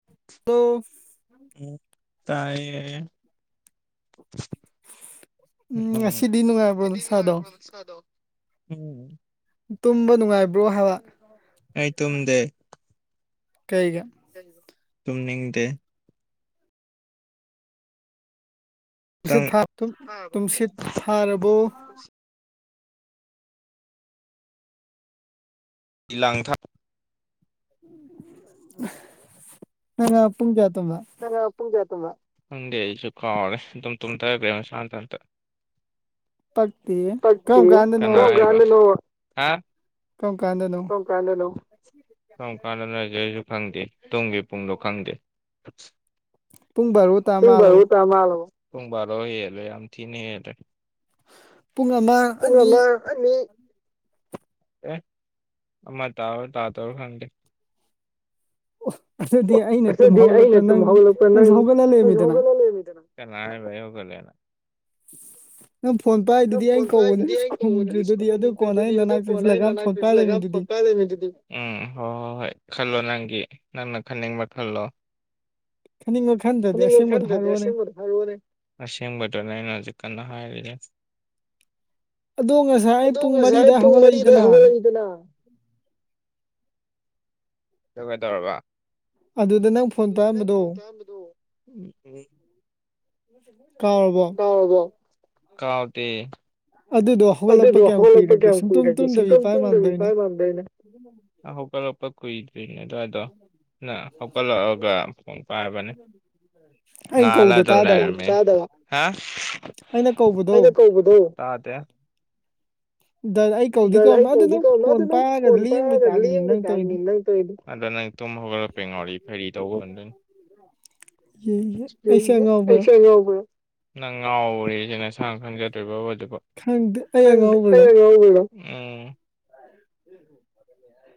[unintelligible] ꯎꯝ ꯇꯥꯏꯌꯦ ꯎꯝ ꯉꯁꯤꯗꯤ ꯅꯨꯡꯉꯥꯏꯕ꯭ꯔꯣ ꯅꯁꯥꯗꯣ ꯅꯁꯥꯗꫭ ꯎꯝ ꯇꯨꯝꯕ ꯅꯨꯡꯉꯥꯏꯕ꯭ꯔꯣ ꯍꯥꯏꯕ ꯑꯩ ꯇꯨꯝꯗꯦ ꯀꯩꯒꯤ [unintelligible] ꯇꯨꯝꯅꯤꯡꯗꯦ [unintelligible] ꯇꯨꯝꯁꯤꯠ ꯐꯥꯔꯕꫭ [unintelligible] [unintelligible] ꯅꯪ ꯉꯔꯥꯡ ꯄꯨꯨꯡ ‌ꯀꯌꯥ ꯇꯨꯝꯕ [unintelligible] ꯄꯨꯡ ꯀꯌꯥ ꯇꯨꯝꯕ ꯈꯪꯗꯦ ꯑꯩꯁꯨ ꯀꯥꯎꯔꯦ ꯑꯗꯨꯝ ꯇꯨꯝꯊꯒ꯭ꯔꯦ ꯃꯁꯥ ꯃꯇꫭꯝꯇ ꯄꯛꯇꯤꯌꯦ ꯀꯝ ꯀꯥꯟꯗꯅꯣꯕ [unintelligible] ꯀꯝ ꯀꯥꯟꯗꯅꯣ ꯀꯝ ꯀꯥꯟꯗꯅꫭ ꯀꯝ ꯀꯥꯟꯗꯅꫭ ꯍꯥꯏꯖꯦ ꯑꯩꯖꯨ ꯈꯪꯗꯦ ꯇꯨꯝꯒꯤ ꯄꯨꯡꯗꯣ ꯈꯪꯗꯦ ꯄꯨꯡ ꯚꯥꯔꫭ ꯇꯥ [unintelligible] ꯄꯨꯡ ꯚꯥꯔꫭ ꯍꯦꯜꯂꯦ ꯌꯥꯝ ꯊꯤꯅ ꯍꯦꯜꯂꯦ ꯄꯨꯡ ꯑꯃ ꯄꯨꯡ ꯑꯃ ꯑꯅꯤ ꯑꯦ ꯑꯃ ꯇꯥꯕ꯭ꯔ ꯇꯥꯗꯕ꯭ꯔ ꯈꯪꯗꯦ [unintelligible] ꯑꯣ ꯑꯗꯨꯗꯤ ꯑꯩꯅ ꯇꯨꯝ ꯍꯧꯒꯠꯂꯛꯄꯗ ꯅꯪ ꯅꯪꯖꯨ ꯍꯧꯒꯠꯂ ꯂꯩꯔꯝꯃꯤꯗꯅ ꯀꯅꯥ ꯍꯥꯏꯕ ꯑꯩ ꯍꯧꯒꯠꯂꯦꯅ ꯅꯪ ꯐꯣꯟ ꯄꯥꯏꯗꯨꯗꯤ [unintelligible] [unintelligible] ꯎꯝ ꯍꯣ ꯍꯣ ꯍꯣꯏ ꯈꯜꯂꯣ ꯅꯪꯒꯤ ꯅꯪꯅ ꯈꯟꯅꯤꯡꯕ ꯈꯜꯂꯣ ꯈꯟꯅꯤꯡꯕ ꯈꯟ ꯈꯟꯅꯤꯡꯕ ꯈꯟꯗ꯭ꯔꯗꯤ ꯑꯁꯦꯡꯕꯗꫭ ꯍꯥꯏꯔꯛꯑꫭꯅꯦ ꯑꯁꯦꯡꯕꯗꯨꯅꯦ ꯑꯩꯅ ꯍꯨꯖꯤꯛ ꯀꯟꯅ ꯍꯥꯏꯔꯤꯖꯦ ꯑꯗꫭ ꯉꯁꯥꯏ ꯄꯨꯡ ꯃꯔꯤꯗ ꯍꯧꯒꯠꯂꯛꯏꯗꯅ ꯑꯗꯨ ꯀꯩꯗꯧꯔꯕ ꯑꯗꯨꯗ ꯅꯪ ꯐꯣꯟ ꯇꯧꯔꯝꯕꯗꯣ [unintelligible] ꯀꯥꯎꯔꯕꯣ ꯀꯥꯎꯔꯕꫭ ꯀꯥꯎꯗꯦ ꯑꯗꯨꯗꯣ ꯑꯗꯨꯗꯣ ꯍꯧꯒꯂꯛꯄ ꯀꯌꯥꯝ ꯀꯨꯏꯔꯒꯦ ꯁꯨꯡꯀꯝ ꯇꯨꯡꯗꯕꯤ ꯄꯥꯏ ꯃꯥꯟꯕ꯭ꯔꯥ ꯑꯩꯅ ꯅꯪ ꯍꯧꯒꯠꯂꯛꯄ ꯀꯨꯏ [unintelligible] ꯑꯗꯨꯋꯥꯏꯗꫭ ꯅꯪ ꯍꯧꯒꯠꯂꯛꯑꯒꯥ ꯐꯣꯟ ꯄꯥꯏꯕꯅꯦ ꯉꯥꯜꯂꯥ ꯑꯗꯨꯝ ꯂꯩꯔꯝꯃꯦ [inaudible] ꯑꯩꯅ ꯀꯧꯕꯗꫭ ꯇꯥꯗꯦ ꯗꯜ ꯑꯩ ꯗꯥꯜ ꯑꯩ ꯀꯧꯗꯤ ꯀꯧ ꯑꯗꯨ ꯅꯪ ꯐꯣꯟ ꯄꯥꯔꯒ ꯂꯦꯡꯕꯩ ꯇꯥꯏꯞꯅꯤ ꯅꯪ ꯇꯧꯔꯤꯗꫭ ꯑꯗꯨ ꯅꯪ ꯇꯨꯝ ꯍꯧꯒꯠꯂꯛꯄꯩ ꯉꯥꯎꯔꯤ ꯐꯩꯔꯤ ꯇꯧꯕ ꯑꫭꯏꯔꯝꯗꯨꯏꯅꯤ [inaudible] ꯎꯝꯍꯝ ꯑꯩꯁꯦ ꯑꯉꯥꯎꯕꯔ ꯅꯪ ꯉꯥꯎꯋꯦꯁꯤ ꯅꯁꯥꯅ ꯈꯪꯖꯗ꯭ꯔꯤꯕꯕ ꯍꯧꯖꯤꯛꯐꯥꯎ ꯎꯝ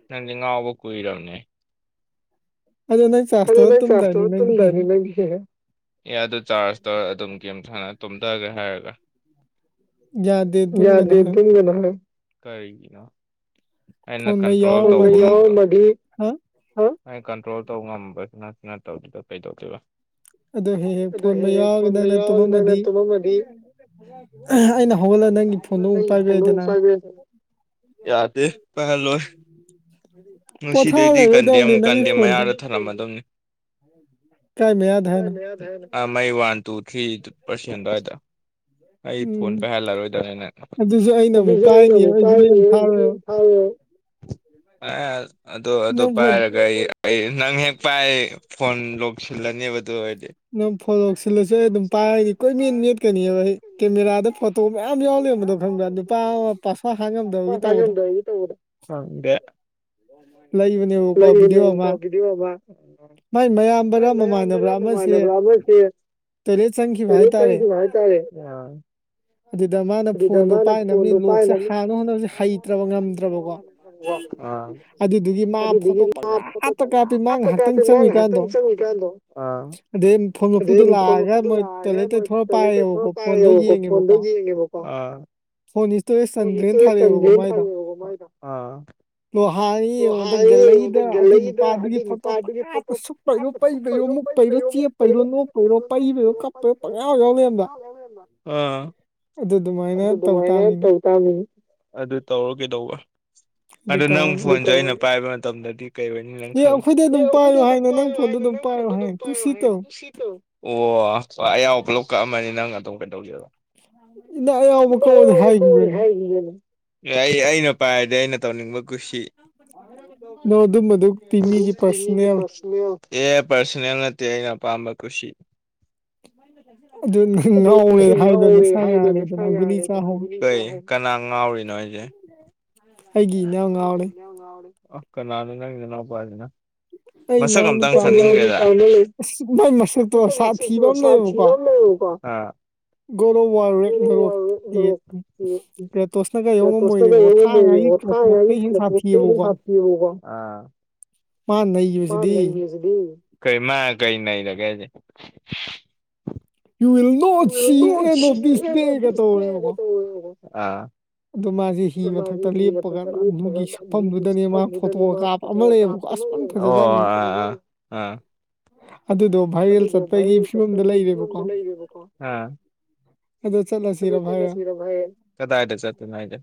ꯅꯪꯗꯤ ꯉꯥꯎꯕ ꯀꯨꯏꯔꯕꯅꯦ ꯑꯗꯨ ꯅꯪ ꯑꯗꯨ ꯅꯪ ꯆꯥꯔꯆ ꯇꯩꯔ ꯇꯨꯝꯗꯥꯏꯅꯦ ꯅꯪ ꯗꯤ ꯍꯦꯛ ꯍꯦꯛ ꯑꯦ ꯑꯗꯨ ꯆꯥꯔꯖ ꯇꯧꯔ ꯑꯗꯨꯝ ꯒꯦꯝ ꯁꯥꯟꯅꯔ ꯇꯨꯝꯊꯒꯦ ꯍꯥꯏꯔꯒ ꯌꯥꯗꯦ ꯇꯨꯝꯒꯅꫭ ꯀꯩꯒꯤꯅꫭ ꯑꯩꯅ ꯀꯟꯇ꯭ꯔꯣꯜ [unintelligible] ꯐꫭꯟ ꯃꯩ ꯌꯥꯎꯔꯝꯃꯗꯤ ꯍ ꯑꯩꯅ ꯀꯟꯇ꯭ꯔꯣꯜ ꯇꯧ ꯉꯝꯕꯁꯨ ꯅꯠꯁꯨ ꯅꯠꯇꯕꯗꯨꯗ ꯀꯩꯗꯧꯗꫭꯏꯕ ꯑꯗꯨ ꯍꯦꯛ ꯍꯦꯛ ꯐꯣꯟ ꯃꯩ ꯌꯥꯎꯔꯒ ꯅꯪꯅ ꯇꯨꯝꯃꯝꯃꯗꯤ ꯑꯩꯅ ꯍꯧꯒꯠꯂ ꯅꯪꯒꯤ ꯐꯣꯟꯗꯣ ꯑꯃꯨꯛ ꯄꯥꯏꯕ ꯌꯥꯏꯗꯅ ꯌꯥꯗꯦ ꯄꯥꯏꯍꯜꯂꯣꯏ ꯉꯁꯤꯗꯩꯗꯤ ꯀꯟꯗꯦꯝ ꯀꯟꯗꯦꯝ ꯃꯌꯥꯔ ꯊꯥꯔꯝꯃꯗꯝꯅꯤ ꯀꯥꯏ ꯃꯌꯥꯗ ꯍꯥꯏꯅꫭ ꯑ ꯃꯩ ꯋꯥꯟ ꯇꯨ ꯊ꯭ꯔꯤ ꯄꯔꯁꯦꯟ ꯑꯗꯨꯋꯥꯏꯗ ꯑꯩ ꯐꯣꯟ ꯄꯩꯍꯜꯂꯔꯣꯏꯗꯝꯅꯤ ꯅꯪ ꯑꯗꯨꯖꯨ ꯑꯩꯅ ꯑꯃꯨꯛ ꯄꯥꯏꯅꯤ [unintelligible] [inaudible] ꯑꯗꯨ ꯑꯗꯨ ꯄꯥꯏꯔꯒ ꯑꯩ ꯑꯩ ꯅꯪ ꯍꯦꯛ ꯄꯥꯏ ꯐꯣꯟ ꯂꫭꯛ ꯁꯤꯜꯂꯅꯦꯕ ꯑꯗꯨ ꯑꯣꯏꯔꯗꯤ ꯅꯪ ꯐꯣꯟ ꯂꫭꯛ ꯁꯤꯜꯂꯁꯨ ꯑꯩ ꯑꯗꯨꯝ ꯄꯥꯏꯔꯅꯤ ꯀꯣꯏ ꯃꯦꯠ ꯃꯦꯠꯀꯅꯤꯕ ꯑꯩ ꯀꯦꯃꯦꯔꯥꯗ ꯐꯣꯇꯣ ꯇꯣ ꯃꯌꯥꯝ ꯌꯥꯎꯔ ꯂꯩꯔꯝꯕꯗꯣ ꯈꯪꯕ꯭ꯔ ꯅꯨꯄꯥ ꯑꯃ ꯄꯥꯁꯋꯥꯠ ꯍꯥꯡꯉꯝꯗꯕꯒꯤ ꯇꯧꯕꯗꯣ ꯈꯪꯗꯦ ꯂꯩꯕꯅꯤ ꯂꯩꯕꯅꯦꯕꯀꫭ ꯕꯤꯗꯤꯑꫭ ꯑꯃꯥ ꯃꯥꯏ ꯃꯌꯥꯝꯕꯔ ꯃꯃꯥꯟꯅꯕꯔ ꯑꯃꯥ [unintelligible] ꯇꫭꯥꯂꯦꯠ ꯆꯪꯒꯤꯕ ꯍꯥꯏꯇꯥꯔꯦ ꯑꯥ [inaudible] ꯑꯗꯨꯗ ꯃꯥꯅ ꯐꯣꯟꯗꯣ ꯄꯥꯏꯅꯕꯅꯤ ꯂꯣꯛꯁꯦ ꯍꯥꯡꯅ ꯍꯣꯠꯅꯕꯁꯦ ꯍꯩꯇ꯭ꯔꯕ ꯉꯝꯗ꯭ꯔꯕꯀꯣ ꯑꯗꯨꯗꯨꯒꯤ ꯃꯥ ꯐꯣꯇꯣ ꯄꯪ ꯀꯥꯞꯇ ꯀꯥꯞꯄꯤ ꯃꯥ ꯉꯥꯏꯍꯥꯛꯇꯪ ꯆꯪꯏꯀꯥꯟꯗꯣ ꯑꯗꯨꯗꯩ ꯐꯣꯟ ꯃꯄꯨꯗꯣ ꯂꯥꯛꯑꯒ ꯃꯣꯏ ꯇꯣꯏꯂꯦꯠꯇ ꯊꯣꯔ ꯄꯥꯏꯔꯦꯕꯀꯣ ꯐꯣꯟꯗꯣ ꯌꯦꯡꯉꯦꯕꯀꯣ ꯐꯣꯟꯗꯣ ꯁ꯭ꯇꯣꯔꯦꯁ ꯆꯟꯗ꯭ꯔꯦꯅ ꯊꯥꯔꯛꯑꯦꯕꯀꯣ ꯃꯥꯏꯗꫭ [inaudible] ꯑ ꯂꯣꯛ ꯍꯥꯡꯉ ꯌꯦꯡꯉꯨꯕꯗ ꯒꯦꯂꯔꯤꯗ ꯑꯗꯨ ꯅꯨꯄꯥꯗꯨꯒꯤ ꯐꯣꯇꯣ ꯄꯪꯀꯥꯞ ꯁꯨꯞꯄꯩꯔꫭ ꯄꯩꯕꯩꯌꯣ ꯃꯨꯛ ꯄꯩꯔꯣ ꯆꯦꯞꯄꯩꯔꯣ ꯅꯣꯛ ꯄꯩꯔꯣ ꯄꯩꯕꯩꯗꯣ ꯀꯞꯄꯗꯣ ꯄꯪ ꯌꯥꯎ ꯌꯥꯎ ꯂꯩꯔꯝꯕ ꯑ ꯑꯗꯨ ꯑꯗꯨꯃꯥꯏꯅ ꯇꯧ ꯇ ꯑꯦꯟ ꯇꯧ ꯇꯕ [unintelligible] ꯑꯗꯨ ꯇꯧꯔꯣ ꯀꯩꯗꯧꯕ ꯗꯤꯇꯣꯜ꯫ ꯐꯣꯟꯗꯨ ꯑꯩꯅ ꯄꯥꯏꯕ ꯃꯇꯝꯗꯗꯤ ꯀꯩ ꯑꯣꯏꯅꯤ ꯅꯪ ꯈꯜ ꯑꯦ ꯑꯩꯈꯣꯏꯗꯤ ꯑꯗꯨꯝ ꯄꯥꯏꯌꯣ ꯍꯥꯏꯅ ꯅꯪ ꯐꯣꯟꯗꯣ ꯑꯗꯨꯝ ꯄꯥꯏꯌꯣ ꯍꯥꯏ ꯀꯨꯁꯤ ꯇꯧ ꯑꯣ [unintelligible] ꯄꯨꯂꯞ ꯀꯛꯑꯃꯅꯤ ꯅꯪ ꯑꯗꯣꯝ ꯀꯩꯗꯧꯒꯦꯕ ꯏꯟꯅ ꯑꯌꯥꯎꯕ ꯀꯥꯛꯎ ꯍꯥꯏꯈꯤꯕꯔꯅꯦ꯫ [unintelligible] ꯑꯦ ꯑꯩ ꯑꯩꯅ ꯄꯥꯏꯔꯗꯤ ꯑꯩꯅ ꯇꯧꯅꯤꯡꯕ ꯀꯨꯁꯤ꯫ ꯅꯣ ꯑꯗꯨꯝꯕꯗꯨꯛꯇꯤ ꯃꯤꯒꯤ ꯄꯥꯔꯁꯣꯅꯦꯜ꯫ ꯑꯦ ꯄꯥꯔꯁꯣꯅꯦꯜ ꯅꯠꯇꯦ ꯑꯩꯅ ꯑꯄꯥꯝꯕ ꯀꯨꯁꯤ꯫ ꯑꯗꯨ ꯂꯩ ꯉꯥꯎꯑꯦ ꯍꯥꯏꯕ ꯅꯁꯌꯥꯔꯦꯗꯅ ꯀꯩ ꯀꯅꯥ ꯉꯥꯎꯔꯤꯅꯣ ꯍꯥꯏꯁꯦ ꯑꯩꯒꯤ ꯏꯅꯥꯎ ꯉꯥꯎꯔꯦ꯫ ꯅꯪ ꯉꯥꯎꯔꯦ ꯑꯛ ꯀꯅꯥꯅꯣ ꯅꯪ ꯅꯅꯥꯎꯅꯨꯄꯥ ꯁꯤꯅ꯫ ꯃꯁꯛ ꯑꯝꯇ [unintelligible] ꯑꯃ ꯂꯩꯕꯀꯣ ꯑꯥ꯫ [unintelligible] ꯀꯩꯅꯣꯒꯤ ꯀ꯭ꯂꯥꯞ ꯁꯥꯊꯤꯕꯀꯣ ꯃꯥꯅꯩ ꯃꯥ ꯅꯩꯔꯤꯁꯤꯗꯤ ꯀꯩꯃꯥ ꯀꯩ ꯅꯩꯔꯒꯦ ꯍꯥꯏꯁꯦ꯫ ꯌꯨ ꯂꯥꯡ꯫ ꯂꯣꯏꯕꯃꯨꯛ ꯁꯤꯒꯦ ꯏꯁꯄ꯭ꯂꯦꯜꯒ ꯇꯧꯏꯕꯀꯣ [unintelligible] ꯏꯁꯄꯟꯒꯤꯗꯨꯅꯤ ꯃꯥ ꯐꯣꯇꯣ ꯀꯥꯞꯄꯒꯤ ꯑꯣ ꯑꯥ ꯑꯗꯨꯗꯣ ꯚꯥꯏꯔꯦꯜ ꯆꯠꯄꯒꯤ ꯁꯣꯝꯗ ꯂꯩꯔꯦꯕꯀꯣ꯫ ꯑꯥ ꯑꯗꯨ ꯆꯠꯂꯁꯤꯔ ꯚꯥꯏꯔꯦꯜ ꯀꯗꯥꯏꯗ ꯆꯠꯇꯣꯏꯅꯣ ꯍꯥꯏꯁꯦ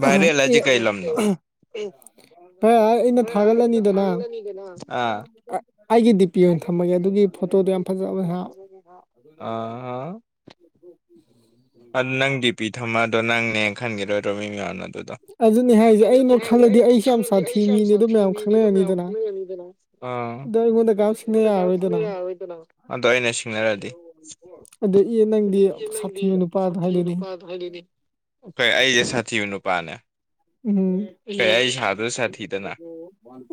ꯚꯥꯏꯔꯦꯜ ꯍꯥꯏꯁꯦ ꯀꯩꯪꯂꯝꯅꯣ꯫ ꯕꯔ ꯏꯟ ꯍꯣꯔꯦꯟ ꯂꯥꯛꯑꯒ ꯏꯟꯗ ꯊꯥꯒꯠꯂꯅꯤ ꯀꯩꯅꯣ꯫ ꯑꯩꯒꯤ ꯗꯤ ꯄꯤ ꯑꯣꯏꯅ ꯊꯝꯃꯥꯒꯦ ꯑꯗꯨꯒꯤ ꯐꯣꯇꯣꯗꯣ ꯌꯥꯝ ꯐꯖꯕꯍꯥ ꯎꯝ ꯍꯥ꯫ ꯑꯗꯨ ꯌꯥꯎꯇꯔꯗꯤ ꯆꯥꯇꯔꯨꯛ ꯑꯗꯨ ꯅꯪ ꯗꯤꯄꯤ ꯊꯝꯃ ꯑꯗꯣ ꯅꯪꯅꯦ ꯈꯟꯈꯤꯔꯣꯏꯗ꯭ꯔꯣ ꯃꯤ ꯃꯌꯥꯝꯅ ꯗꯨꯗꯣ ꯑꯗꯨꯅꯤ ꯍꯥꯏꯁꯦ ꯑꯩꯩꯅ ꯁꯪꯑꯗꯤ ꯑꯩꯁꯦ ꯌꯥꯝ ꯁꯥꯊꯤ ꯃꯤꯅꯤ ꯑꯗꯨ ꯃꯌꯥꯝ ꯈꯪꯅꯔꯅꯤꯗꯅ ꯑꯥ [unintelligible] ꯀꯅꯝ ꯁꯤꯡꯅ ꯌꯔꯔꯣꯏꯗꯅ ꯑꯗꯣ ꯑꯩꯅ ꯁꯤꯡꯅꯔꯗꯤ꯫ ꯑꯗꯣ ꯏ ꯅꯪꯗꯤ ꯁꯥꯊꯤꯕ ꯅꯨꯄꯥꯗꯣ ꯍꯥꯏꯗꯨꯗꯤ꯫ ꯑꯗꯨꯏ ꯍꯥꯏꯗꯣꯏꯅꯤ ꯀꯩ ꯑꯩꯁꯦ ꯁꯥꯊꯤꯕ ꯅꯨꯄꯥꯅꯦ ꯎꯝ꯫ ꯀꯩ ꯑꯩ ꯁꯥꯁꯨ ꯁꯥ ꯊꯤꯗꯅ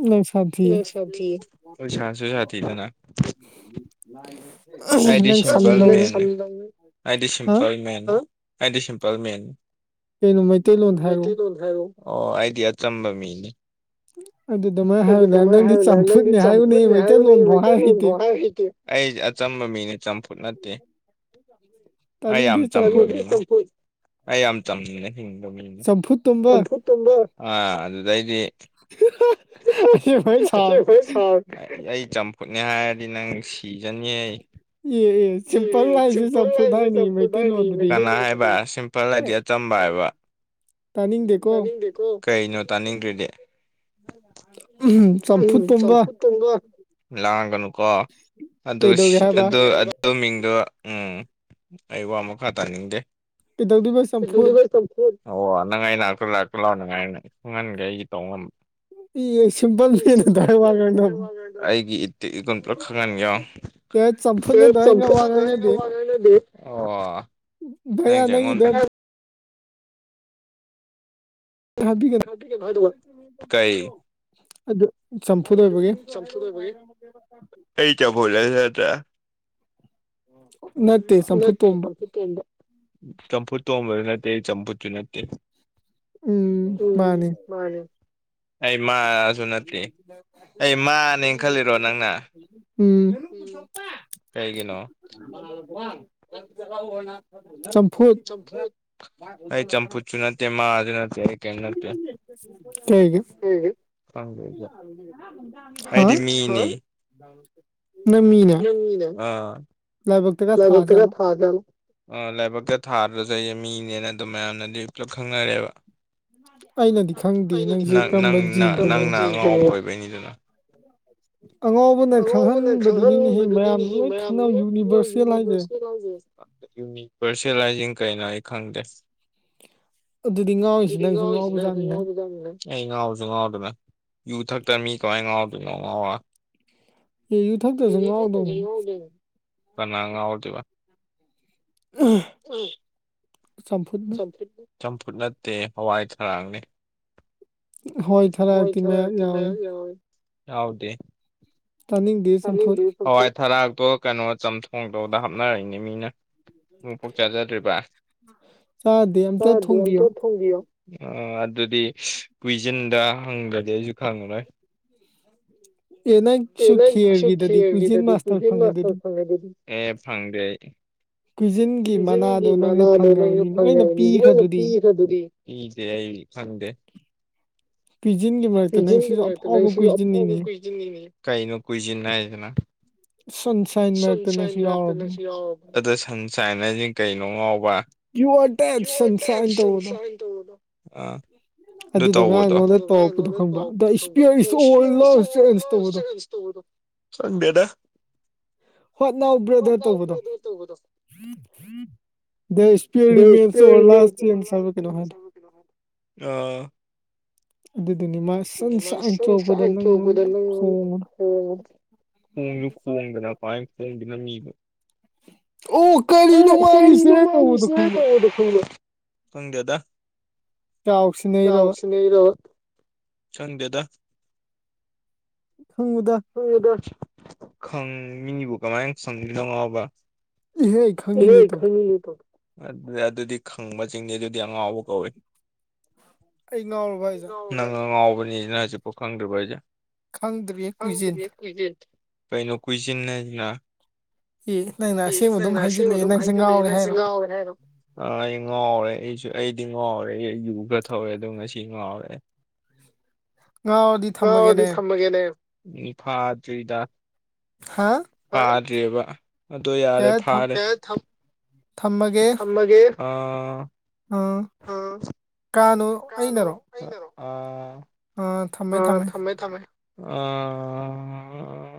ꯅꯪ ꯁꯥꯊꯤ ꯅꯪ ꯁꯊꯤ ꯁꯁꯨ ꯁꯊꯤꯗꯅ ꯎꯝ ꯂꯥꯏ꯫ ꯑꯩꯗꯤ ꯁꯤꯡꯒꯜ ꯃꯦꯟꯅꯦ꯫ ꯑꯩꯗꯤ ꯁꯤꯝꯄꯜ ꯃꯦꯟ ꯍꯥ ꯑꯩꯗꯤ ꯁꯤꯝꯄꯜ ꯃꯦꯟ ꯅꯪ ꯃꯩꯇꯩꯂꯣꯟ ꯑꯣ ꯑꯪ꯭ꯩꯏꯗꯤ ꯑꯆꯝꯕ ꯃꯤꯅꯤ꯫ ꯑꯩꯗꯤ ꯀꯃꯥꯢ ꯍꯥꯢꯌꯨꯅꯦ ꯅꯪꯗꯤ ꯆꯝꯐꯨꯠꯅꯦ ꯍꯥꯢꯌꯨꯅꯦ ꯃꯩꯇꯩ ꯂꯣꯟꯐꯥꯎ ꯍꯥꯢ ꯍꯩꯇꯦ ꯑꯩ ꯑꯆꯝꯕ ꯃꯤꯅꯦ ꯆꯝꯐꯨꯠ ꯅꯠꯇꯦ ꯑꯩ ꯌꯥꯝ ꯆꯝꯕ ꯃꯤꯅꯦ ꯑꯩ ꯌꯥꯝ ꯆꯝꯅ ꯍꯤꯡꯕ ꯃꯤꯅꯦ ꯑꯥ ꯑꯗꯨꯗꯩꯗꯤ [unintelligible] ꯑꯁꯦꯡꯕꯩꯁꯨ ꯁꯥꯎꯔꯤ ꯈꯨꯠꯅꯦ ꯍꯥꯏꯔꯗꯤ ꯅꯪ ꯁꯤꯖꯅꯤꯍꯦ ꯁꯤꯝꯄꯥꯜ ꯍꯥꯢꯁꯤ ꯆꯝꯐꯨꯠ ꯍꯥꯢꯅꯦ ꯀꯅꯥ ꯍꯥꯢꯕ ꯁꯤꯝꯄꯥꯜ ꯍꯥꯢꯗꯤ ꯑꯆꯝꯕ ꯍꯥꯏꯕ ꯇꯥꯅꯤꯡꯗꯦꯀꯣ ꯀꯩꯅꯣ ꯇꯥꯅꯤꯡꯗ꯭ꯔꯤꯗꯤ ꯎꯝ ꯎꯝ ꯆꯥꯝꯐꯨꯠꯇꯣꯝꯕ ꯂꯥꯡꯒꯅꯨꯀꯣ ꯑꯗꯨ ꯁꯦꯠ ꯑꯗꯨ ꯑ ꯑꯗꯨ ꯃꯤꯡꯗꯣ ꯎꯝ ꯑꯩ ꯋꯥ ꯃꯈꯥ ꯇꯥꯅꯤꯡꯗꯦ [unintelligible] ꯆꯝꯐꯨꯠ ꯑꯣ ꯅꯪ ꯑꯩ ꯢꯅꯥꯛꯇ ꯂꯥꯛꯇ ꯂꯥꯎ ꯅꯨꯡꯉꯥꯏꯅꯤ ꯅꯪ ꯈꯪꯍꯟꯒꯦ ꯑꯩꯒꯤ ꯇꯧ ꯉꯝꯕ ꯑꯦ ꯁꯤꯝꯄꯜ ꯃꯦꯟꯅ ꯑꯗꯨꯃꯥꯢ ꯋꯥ ꯉꯥꯡꯅꯕ꯭ꯔꯣ ꯑꯩꯒꯤ ꯢꯇꯤꯛ ꯢꯒꯨꯜ ꯂꯣꯢ ꯈꯪꯍꯜꯒꯦ ꯌꯦꯡꯉꯣ [unintelligible] ꯆꯝꯐꯨꯠꯅ ꯋꯥ ꯑꯗꯨꯃꯥꯢꯅ ꯉꯥꯡꯅꯗꯤꯌꯦ ꯚꯥꯌꯥ ꯅꯪꯒꯤꯗꯣ ꯑꯝꯇ [unintelligible] ꯑꯗꯨ ꯆꯝꯐꯨꯠ ꯑꯣꯏꯕꯒꯤ ꯑꯩ ꯀ꯭ꯌꯥ ꯐꯧ [unintelligible] ꯅꯠ ꯅꯠꯇꯦ ꯆꯝꯐꯨꯠ ꯇꯣꯝꯕ ꯆꯝꯐꯨꯠ ꯇꯣꯝꯕꯁꯨ ꯅꯠꯇꯦ ꯆꯝꯐꯨꯠꯁꯨ ꯅꯠꯇꯦ ꯎꯝ ꯃꯥꯅꯤ [inaudible] ꯎꯝ ꯀꯩꯒꯤꯅꯣ [unintelligible] ꯆꯝꯐꯨꯠ [unintelligible] ꯅꯠꯇꯦ ꯑꯩ ꯀꯩꯒꯤ ꯍꯥꯥ [unintelligible] ꯑꯥ ꯂꯥꯏꯕꯛ ꯇꯒ ꯊꯥꯗꯝ ꯑꯥ ꯂꯥꯏꯕꯛꯇ ꯊꯥꯗ꯭ꯔꯁꯨ ꯑꯩ ꯃꯤꯅꯦꯅ ꯑꯗꯨꯝ ꯃꯌꯥꯝꯅꯗꯤ ꯄꯨꯂꯞ ꯈꯪꯅꯔꯦꯕ ꯅꯪꯅ ꯑꯉꯥꯎꯕ ꯑꯣꯢꯕꯩꯅꯤꯗꯅ ꯑꯉꯥꯎ ꯑꯉꯥꯎꯕꯅ ꯈꯪꯍꯟꯅꯤꯡꯕꯗꯨꯅꯤꯍꯦ ꯃꯌꯥꯝ [unintelligible] ꯌꯨꯅꯤꯛꯄꯔꯁꯦꯜꯂꯥꯏꯖꯤꯡ ꯀꯩꯅꯣ ꯑꯩ ꯈꯪꯗꯦ ꯑꯗꯨꯗꯤ ꯉꯥꯎꯔꯤꯁꯦ ꯅꯪꯁꯨ ꯉꯧꯕꯖꯥꯠꯅꯤꯅ ꯑꯩ ꯉꯥꯎꯁꯨ ꯉꯥꯎꯗꯅ ꯌꯨ ꯊꯛꯇ ꯃꯤ ꯀꯃꯥꯏꯅ ꯉꯥꯎꯗꯣꯏꯅꯣ ꯑꯉꯥꯎꯕ ꯑꯦ ꯌꯨ ꯊꯛꯇ꯭ꯔꯥꯁꯨ ꯉꯥꯎꯗꯧꯅꯤ ꯀꯅꯥ ꯉꯧꯗꯣꯏꯕ ꯎꯝ ꯝ ꯆꯝꯐꯨꯠ ꯆꯝꯐꯨꯠ ꯅꯠꯇꯦ ꯍꯋꯥꯏ ꯊꯔꯥꯛꯅꯦ ꯑꯩꯈꯣꯏ ꯈꯔꯥ [unintelligible] ꯌꯥꯎꯗꯦ ꯇꯥꯅꯤꯡꯗꯦ ꯇꯥꯅꯤꯡꯗꯦ ꯍꯋꯥꯏ ꯊꯔꯥꯛꯇꯣ ꯀꯩꯅꯣ ꯆꯝꯊꯣꯡꯗꯣꯗ ꯍꯥꯞꯅꯩꯅꯦ ꯃꯤꯅ ꯅꯣꯡ ꯐꯥꯎ ꯆꯥꯖꯗ꯭ꯔꯤꯕ [unintelligible] ꯑꯝꯇꯪ ꯊꯣꯡꯕꯤꯌꯣ ꯑꯥ ꯑꯗꯨꯗꯤ ꯀꯨꯏꯖꯟꯗ ꯍꯪꯗ꯭ꯔꯗꯤ ꯑꯩꯖꯨ ꯈꯪꯉꯔꫭꯏ ꯑꯦ ꯅꯪ ꯁꯨꯠꯈꯤ ꯁꯦ ꯈꯦꯔꯒꯤꯗꯗꯤ ꯀꯨꯏꯖꯤꯟ ꯃꯥꯁꯇ꯭ꯔ ꯐꯪꯉ ꯗꯨꯗꯤ ꯑꯦ ꯐꯪꯗꯦ ꯑꯩ ꯀ꯭ꯌꯨꯖꯤꯟ ꯀ꯭ꯌꯨꯖꯤꯟꯒꯤ ꯃꯅꯥꯗꯣ ꯂꯩꯌꯨ ꯐꯪꯉꯗꯤ ꯅꯣꯏꯅ ꯄꯤꯈ꯭ꯔꯗꯨꯗꯤ ꯄꯤꯗꯦ ꯑꯩ ꯐꯪꯗꯦ ꯑꯩ ꯄꯤꯖꯤꯟꯒꯤ ꯀ꯭ꯌꯨꯖꯤꯟ ꯒꯤ ꯃꯔꯛꯇ ꯅꯪꯁꯨ ꯑꯄꯣꯕ ꯀ꯭ꯌꯨꯖꯤꯟꯅꯤꯅꯦ ꯀꯩꯅꯣ ꯀ꯭ꯌꯨꯖꯤꯟ ꯍꯥꯏꯖꯤꯅ ꯁꯟ ꯁꯥꯏꯟ ꯃꯔꯛꯇ ꯅꯪꯁꯨ ꯌꯥꯎꯔꯕꯅꯦ ꯑꯗꯣ ꯁꯟ ꯁꯥꯏꯟ ꯍꯥꯏꯖꯦ ꯀꯩꯅꯣ ꯉꯥꯎꯕ ꯌꯨ ꯑꯥꯔ ꯗꯦꯠ ꯁꯟꯁꯥꯏꯟ ꯇꯧꯕꯗꯣ [unintelligible] ꯑꯥ ꯑꯗꯨꯗꯣ ꯉꯥꯡ ꯅꯉꯣꯟꯗ ꯇꯧꯔꯛꯄꯗꯣ ꯈꯪꯕ꯭ꯔꯥ ꯑꯗ ꯏꯁ [unintelligible] ꯆꯦꯟꯖ ꯇꯧꯕꯗꯣ ꯈꯪꯗꯦꯗꯥ ꯋꯥꯠ ꯅꯥꯎ ꯕ꯭ꯔꯗꯔ ꯇꯧꯕꯗꯣ ꯗ ꯏꯁꯄꯤꯌꯔ ꯔꯤꯃꯦꯟꯁ ꯑꯣꯔ ꯂꯥꯁ ꯆꯦꯟꯖ ꯍꯥꯏꯕ꯭ꯔꯥ ꯀꯩꯅꯣꯝ ꯍꯥꯏꯕꯅꯦ ꯑꯗꯨꯗꯨꯅꯦ ꯃꯥ [unintelligible] ꯀꯣꯡꯉꯨ ꯀꯣꯡꯖꯨ ꯀꯣꯡꯗꯅ ꯀꯃꯥꯏ ꯀꯣꯡꯗꫭꯏꯅꫭ ꯃꯤꯕꯨ ꯑꯣ ꯀꯔꯤꯅꯣ ꯃꯥꯒꯤꯁꯤꯅ ꯇꯧꯕꯗꯣ ꯈꯪꯕ꯭ꯔꯥ ꯈꯪꯗꯦ ꯈꯪꯗꯦꯗ ꯆꯥꯎ ꯁꯤꯅꯩꯔꯣ [unintelligible] ꯈꯪꯗꯦꯗ ꯈꯪꯉꯨꯗꯥ ꯈꯪꯉꯨꯗꯥ ꯈꯪꯉꯨ ꯃꯤꯕꯨ ꯀꯃꯥꯏ ꯁꯪꯗꯨꯏꯅꯣ ꯑꯉꯥꯎꯕ ꯏꯍꯦ [unintelligible] ꯑꯗꯨ ꯑꯗꯨꯗꯤ ꯈꯪꯕ ꯆꯤꯡꯗꯦ ꯑꯗꯨꯗꯤ ꯑꯉꯥꯎꯕ ꯀꯧꯋꯦ [unintelligible] ꯅꯪ ꯑꯉꯥꯎꯕꯅꯦꯖꯦ ꯅꯪ ꯍꯧꯖꯤꯛꯐꯥꯎ ꯈꯪꯗ꯭ꯔꯤꯕ ꯍꯥꯏꯖꯦ [unintelligible] ꯀꯩꯅꯣ ꯀꯨꯏꯖꯤꯟ ꯍꯥꯏꯖꯤꯅ ꯑꯦ ꯅꯪꯅ ꯑꯁꯦꯡꯕ ꯑꯗꯨꯝ ꯍꯥꯏꯖꯤꯜꯂꯛꯑꯦ ꯅꯪꯁꯦ ꯉꯥꯎꯔꯦ ꯍꯥꯏꯔꯣ ꯉꯥꯎꯔꯦ ꯍꯥꯏꯔꯣ ꯑꯥ ꯑꯩ ꯉꯥꯎꯔꯦ ꯑꯩꯖꯨ ꯑꯩꯗꯤ ꯉꯥꯎꯔꯦ ꯑꯩ ꯌꯨ ꯈꯔ ꯊꯛꯎꯔꯦ ꯑꯗꯨ ꯉꯁꯤ ꯉꯥꯎꯔꯦ ꯉꯥꯎꯔꯗꯤ ꯉꯥꯎꯔꯗꯤ ꯊꯝꯃꯒꯦꯅꯦ ꯎꯝ ꯐꯥꯗ꯭ꯔꯤꯗꯥ ꯍꯥꯥ ꯐꯥꯗ꯭ꯔꯤꯑꯥꯕ ꯑꯗꯨ ꯌꯥꯔꯦ ꯐꯥꯔꯦ [unintelligible] ꯊꯝꯃꯒꯦ ꯊꯝꯃꯒꯦ ꯑꯥ ꯑꯥ ꯀꯥꯅꯅꯣ ꯑꯩꯅꯔꯣ ꯑꯩꯅꯔꯣ ꯑꯥ ꯑꯥ ꯊꯝꯃꯦ ꯊꯝꯃꯦ ꯑꯥ